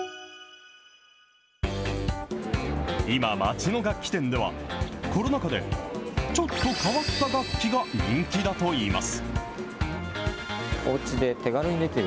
今、街の楽器店では、コロナ禍で、ちょっと変わった楽器が人気だといいます。